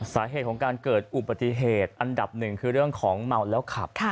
สาเหตุของการเกิดอุบัติเหตุอันดับหนึ่งคือเรื่องของเมาแล้วขับ